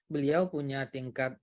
beliau punya tingkat